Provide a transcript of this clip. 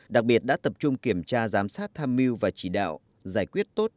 đặc biệt đã tập trung kiểm tra giám sát tham mưu và chỉ đạo giải quyết tốt